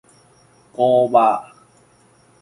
塗肉